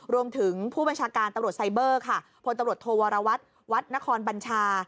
รวมถึงผู้บัญชาการตำรวจไซเบอร์ค่ะพลตำรวจโทวรวัตรวัดนครบัญชา